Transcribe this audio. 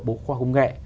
bộ khoa công nghệ